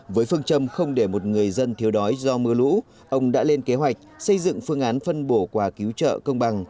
với phương châm không để một người dân thiếu đói do mưa lũ ông đã lên kế hoạch xây dựng phương án phân bổ quà cứu trợ công bằng